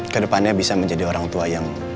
kedepannya bisa menjadi orang tua yang